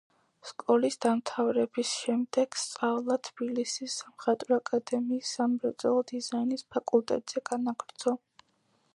სკოლის დამთავრების შემდეგ სწავლა თბილისის სამხატვრო აკადემიის სამრეწველო დიზაინის ფაკულტეტზე განაგრძო.